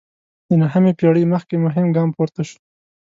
د نهمې پېړۍ مخکې مهم ګام پورته شو.